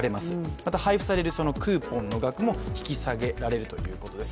また配布されるクーポンの額も引き下げられるということです。